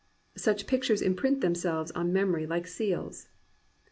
Such pictures imprint themselves on memory hke seals.